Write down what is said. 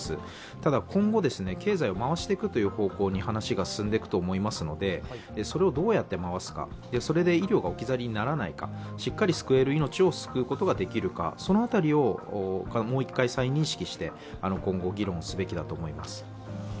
ただ今後、経済を回していくという方向に話が進んでいくと思いますのでそれをどうやって回すか、それで医療が置き去りにならないか、しっかり救える命を救うことができるか、そのあたりをもう一回再認識今後議論すべきだと思います。